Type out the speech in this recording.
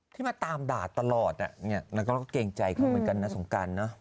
ที่มาตามด่าตลอดแล้วก็เกรงใจเขาเหมือนกันนะสงการเนอะ